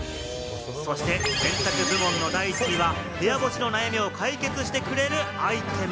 そして洗濯部門の第１位は、部屋干しの悩みを解決してくれるアイテム。